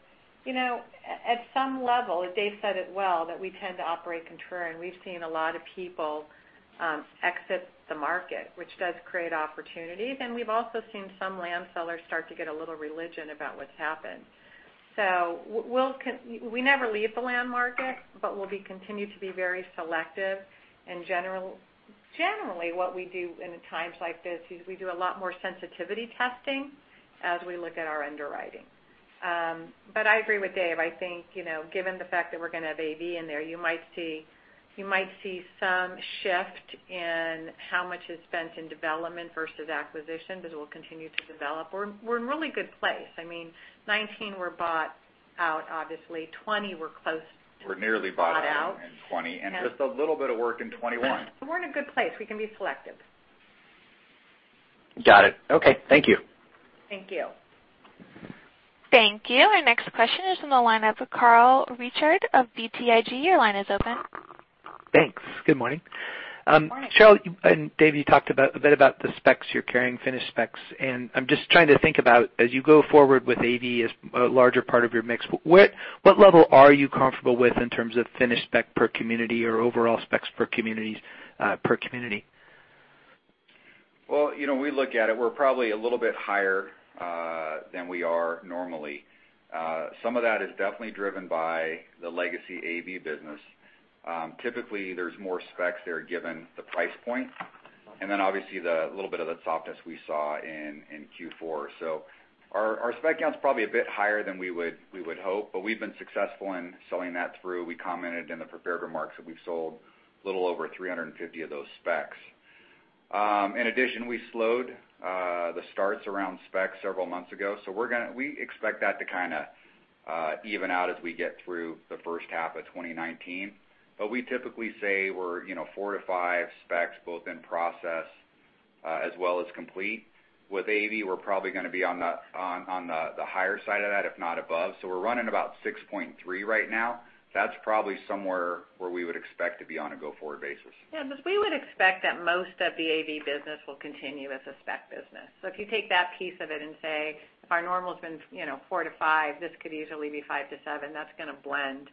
S3: at some level, as Dave said it well, that we tend to operate contrarian. We've seen a lot of people exit the market, which does create opportunities. And we've also seen some land sellers start to get a little religion about what's happened. So we never leave the land market, but we'll continue to be very selective. And generally, what we do in times like this is we do a lot more sensitivity testing as we look at our underwriting. But I agree with Dave. I think given the fact that we're going to have AV in there, you might see some shift in how much is spent in development versus acquisition because we'll continue to develop. We're in really good place. I mean, 2019, we're bought out, obviously. 2020, we're close.
S4: We're nearly bought out.
S3: Bought out.
S4: In 2020 and just a little bit of work in 2021.
S3: So we're in a good place. We can be selective.
S9: Got it. Okay. Thank you.
S3: Thank you.
S1: Thank you. Our next question is from the line of Carl Reichardt of BTIG. Your line is open.
S10: Thanks. Good morning.
S3: Good morning.
S10: Sheryl and Dave, you talked a bit about the specs you're carrying, finished specs. I'm just trying to think about as you go forward with AV as a larger part of your mix, what level are you comfortable with in terms of finished spec per community or overall specs per community?
S4: We look at it. We're probably a little bit higher than we are normally. Some of that is definitely driven by the legacy AV business. Typically, there's more specs there given the price point and then obviously the little bit of the softness we saw in Q4. Our spec count's probably a bit higher than we would hope, but we've been successful in selling that through. We commented in the prepared remarks that we've sold a little over 350 of those specs. In addition, we slowed the starts around specs several months ago. We expect that to kind of even out as we get through the first half of 2019. We typically say we're four to five specs both in process as well as complete. With AV, we're probably going to be on the higher side of that, if not above. So we're running about 6.3 right now. That's probably somewhere where we would expect to be on a go-forward basis.
S3: Yeah. We would expect that most of the AV business will continue as a spec business. So if you take that piece of it and say, "If our normal's been four to five, this could easily be five to seven," that's going to blend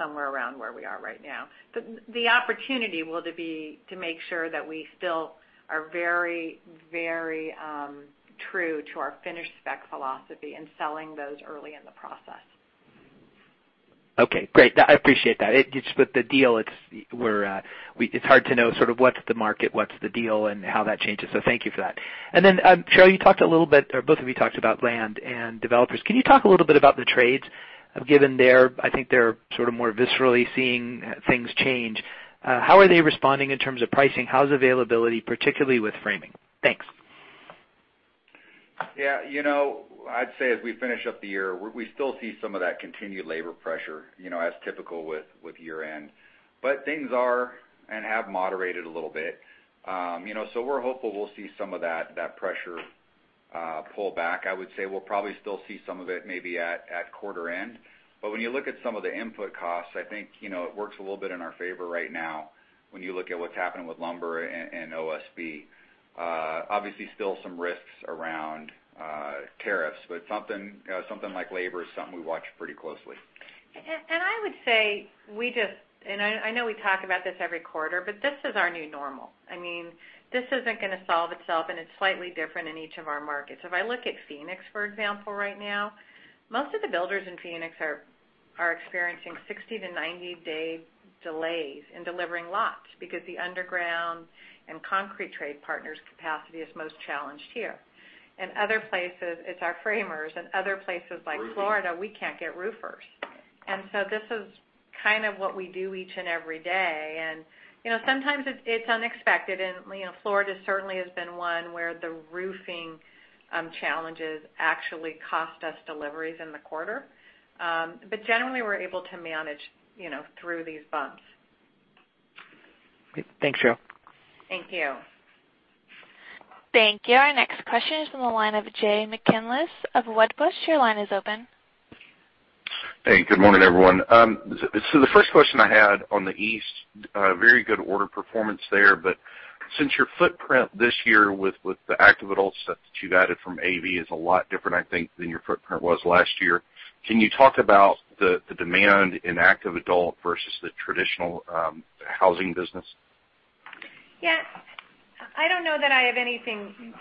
S3: somewhere around where we are right now. But the opportunity will be to make sure that we still are very, very true to our finished spec philosophy and selling those early in the process.
S10: Okay. Great. I appreciate that. It's with the deal. It's hard to know sort of what's the market, what's the deal, and how that changes. So thank you for that. And then, Sheryl, you talked a little bit or both of you talked about land and developers. Can you talk a little bit about the trades? Given I think they're sort of more viscerally seeing things change, how are they responding in terms of pricing? How's availability, particularly with framing? Thanks.
S4: Yeah. I'd say as we finish up the year, we still see some of that continued labor pressure as typical with year-end. But things are and have moderated a little bit. So we're hopeful we'll see some of that pressure pull back. I would say we'll probably still see some of it maybe at quarter end. But when you look at some of the input costs, I think it works a little bit in our favor right now when you look at what's happening with lumber and OSB. Obviously, still some risks around tariffs, but something like labor is something we watch pretty closely.
S3: I would say we just, and I know we talk about this every quarter, but this is our new normal. I mean, this isn't going to solve itself, and it's slightly different in each of our markets. If I look at Phoenix, for example, right now, most of the builders in Phoenix are experiencing 60-90-day delays in delivering lots because the underground and concrete trade partners' capacity is most challenged here. And other places, it's our framers. And other places like Florida, we can't get roofers. And so this is kind of what we do each and every day. And sometimes it's unexpected. And Florida certainly has been one where the roofing challenges actually cost us deliveries in the quarter. But generally, we're able to manage through these bumps.
S10: Thanks, Sheryl.
S3: Thank you.
S1: Thank you. Our next question is from the line of Jay McCanless of Wedbush. Your line is open.
S11: Hey. Good morning, everyone. So the first question I had on the East, very good order performance there. But since your footprint this year with the active adult set that you've added from AV is a lot different, I think, than your footprint was last year, can you talk about the demand in active adult versus the traditional housing business?
S3: Yeah. I don't know that I have anything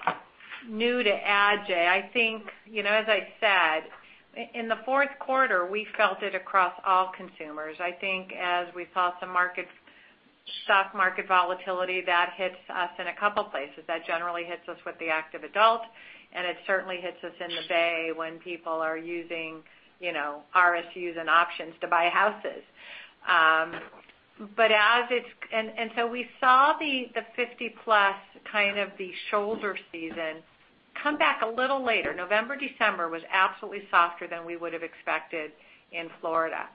S3: new to add, Jay. I think, as I said, in the fourth quarter, we felt it across all consumers. I think, as we saw some stock market volatility, that hits us in a couple of places. That generally hits us with the active adult, and it certainly hits us in the Bay when people are using RSUs and options to buy houses. And so we saw the 50-Plus kind of the shoulder season come back a little later. November, December was absolutely softer than we would have expected in Florida.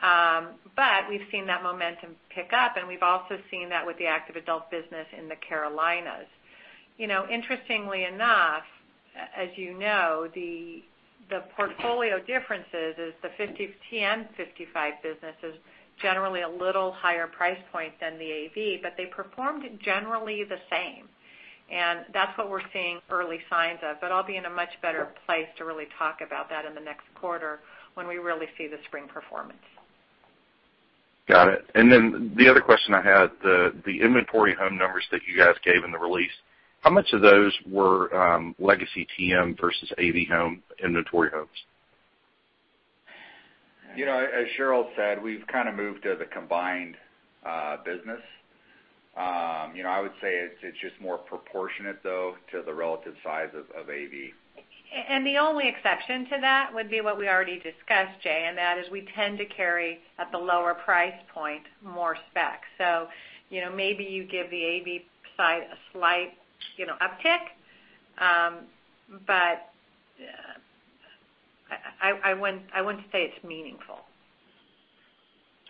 S3: But we've seen that momentum pick up, and we've also seen that with the active adult business in the Carolinas. Interestingly enough, as you know, the portfolio differences is the 50 and 55 business is generally a little higher price point than the AV, but they performed generally the same. That's what we're seeing early signs of. But I'll be in a much better place to really talk about that in the next quarter when we really see the spring performance.
S11: Got it. And then the other question I had, the inventory home numbers that you guys gave in the release, how much of those were legacy TM versus AV home inventory homes?
S4: As Sheryl said, we've kind of moved to the combined business. I would say it's just more proportionate, though, to the relative size of AV.
S3: And the only exception to that would be what we already discussed, Jay, and that is we tend to carry at the lower price point more specs. So maybe you give the AV side a slight uptick, but I wouldn't say it's meaningful.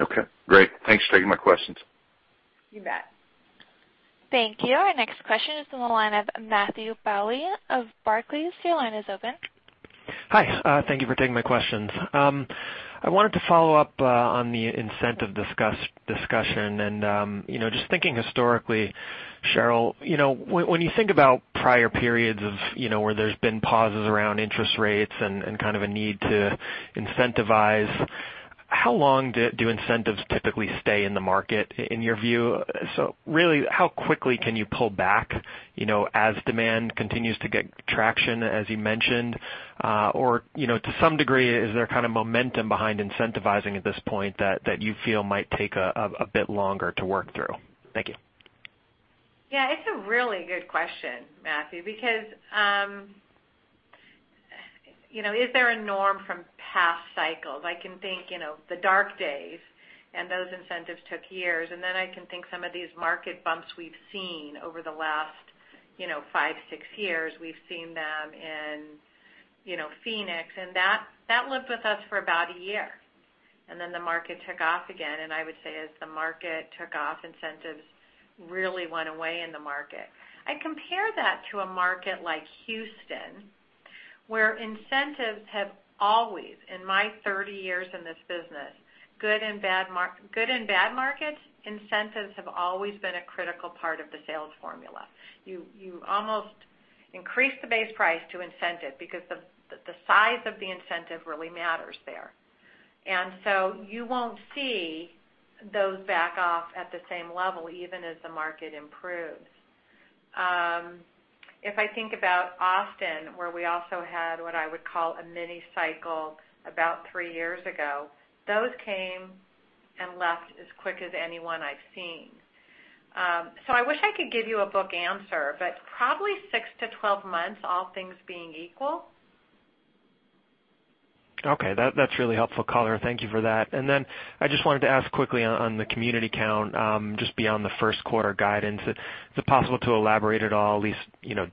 S11: Okay. Great. Thanks for taking my questions.
S3: You bet.
S1: Thank you. Our next question is from the line of Matthew Bouley of Barclays. Your line is open.
S12: Hi. Thank you for taking my questions. I wanted to follow up on the incentive discussion. Just thinking historically, Sheryl, when you think about prior periods where there's been pauses around interest rates and kind of a need to incentivize, how long do incentives typically stay in the market in your view? So really, how quickly can you pull back as demand continues to get traction, as you mentioned? Or to some degree, is there kind of momentum behind incentivizing at this point that you feel might take a bit longer to work through? Thank you.
S3: Yeah. It's a really good question, Matthew, because, is there a norm from past cycles? I can think the dark days, and those incentives took years. And then I can think some of these market bumps we've seen over the last five, six years. We've seen them in Phoenix. And that lived with us for about a year. And then the market took off again. And I would say as the market took off, incentives really went away in the market. I compare that to a market like Houston where incentives have always, in my 30 years in this business, good and bad markets, incentives have always been a critical part of the sales formula. You almost increase the base price to incentive because the size of the incentive really matters there. And so you won't see those back off at the same level even as the market improves. If I think about Austin, where we also had what I would call a mini cycle about three years ago, those came and left as quick as anyone I've seen. So I wish I could give you a book answer, but probably six to 12 months, all things being equal.
S12: Okay. That's really helpful color. Thank you for that. And then I just wanted to ask quickly on the community count, just beyond the first quarter guidance, is it possible to elaborate at all, at least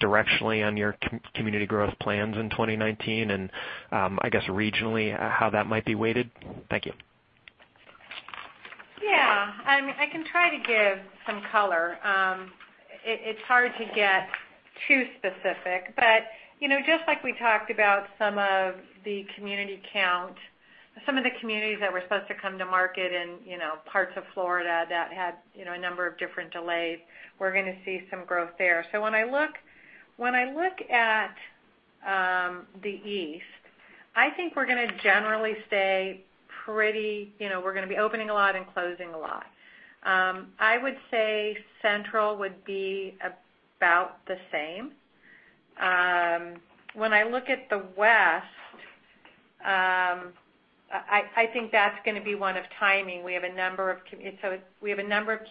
S12: directionally, on your community growth plans in 2019 and, I guess, regionally, how that might be weighted? Thank you.
S3: Yeah. I can try to give some color. It's hard to get too specific. But just like we talked about some of the community count, some of the communities that were supposed to come to market in parts of Florida that had a number of different delays, we're going to see some growth there. So when I look at the East, I think we're going to generally stay pretty, we're going to be opening a lot and closing a lot. I would say Central would be about the same. When I look at the West, I think that's going to be one of timing. We have a number of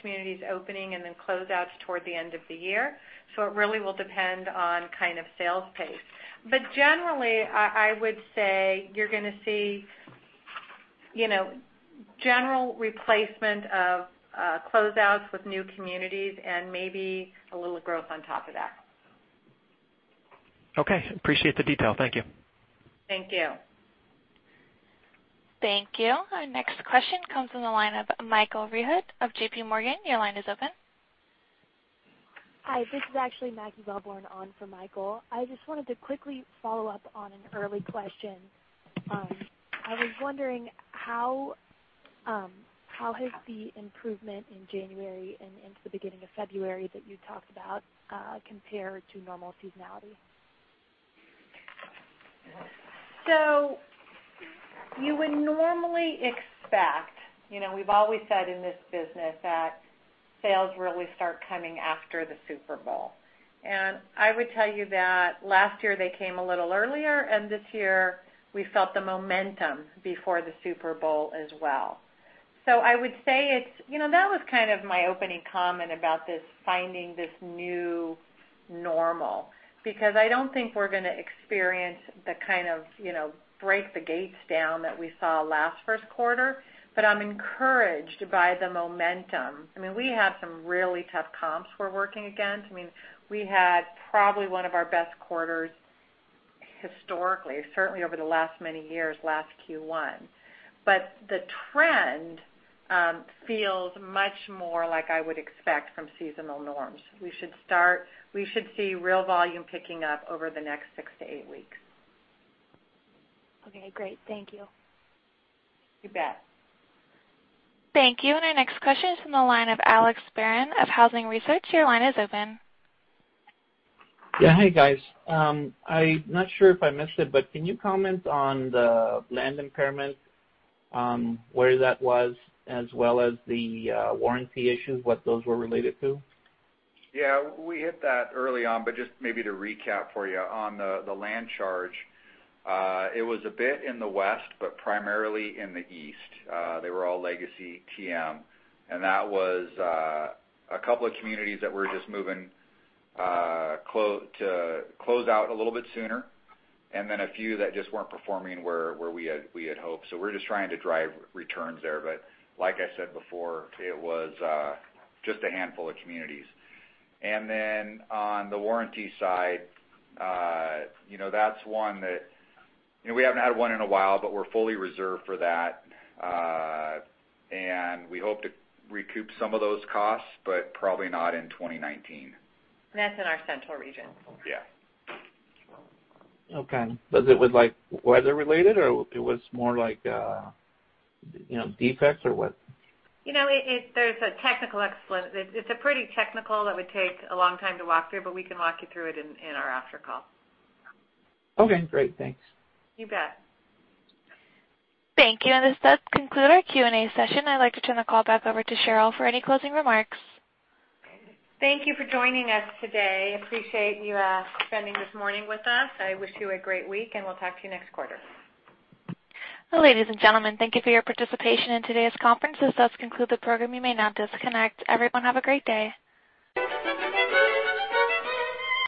S3: communities opening and then closeouts toward the end of the year. So it really will depend on kind of sales pace. But generally, I would say you're going to see general replacement of closeouts with new communities and maybe a little growth on top of that.
S12: Okay. Appreciate the detail. Thank you.
S3: Thank you.
S1: Thank you. Our next question comes from the line of Michael Rehaut of JPMorgan. Your line is open.
S13: Hi. This is actually Maggie Wellborn on for Michael. I just wanted to quickly follow up on an early question. I was wondering how has the improvement in January and into the beginning of February that you talked about compared to normal seasonality?
S3: So you would normally expect, we've always said in this business that sales really start coming after the Super Bowl, and I would tell you that last year they came a little earlier, and this year we felt the momentum before the Super Bowl as well, so I would say that was kind of my opening comment about finding this new normal because I don't think we're going to experience the kind of break the gates down that we saw last first quarter, but I'm encouraged by the momentum. I mean, we have some really tough comps we're working against. I mean, we had probably one of our best quarters historically, certainly over the last many years, last Q1, but the trend feels much more like I would expect from seasonal norms. We should see real volume picking up over the next six to eight weeks.
S13: Okay. Great. Thank you.
S3: You bet.
S1: Thank you. And our next question is from the line of Alex Barron of Housing Research. Your line is open.
S14: Yeah. Hey, guys. I'm not sure if I missed it, but can you comment on the land impairment, where that was, as well as the warranty issues, what those were related to?
S4: Yeah. We hit that early on. But just maybe to recap for you on the land charge, it was a bit in the West, but primarily in the East. They were all legacy TM. And that was a couple of communities that were just moving to close out a little bit sooner, and then a few that just weren't performing where we had hoped. So we're just trying to drive returns there. But like I said before, it was just a handful of communities. And then on the warranty side, that's one that we haven't had one in a while, but we're fully reserved for that. And we hope to recoup some of those costs, but probably not in 2019.
S3: That's in our central region.
S4: Yeah.
S14: Okay. Was it with weather related, or it was more like defects or what?
S3: There's a technical explanation. It's a pretty technical that would take a long time to walk through, but we can walk you through it in our after call.
S14: Okay. Great. Thanks.
S3: You bet.
S1: Thank you, and this does conclude our Q&A session. I'd like to turn the call back over to Sheryl for any closing remarks.
S3: Thank you for joining us today. Appreciate you spending this morning with us. I wish you a great week, and we'll talk to you next quarter.
S1: Ladies and gentlemen, thank you for your participation in today's conference. This does conclude the program. You may now disconnect. Everyone, have a great day.